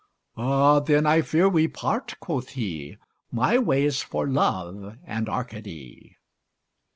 Ah, then I fear we part (quoth he), My way's for Love and Arcady.